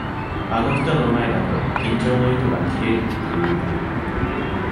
あの人の前だと、緊張の糸が切れるっていうか。